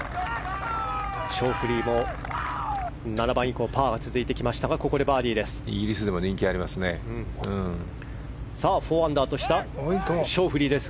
ショーフリーも７番以降パーが続いていましたがここでバーディーです。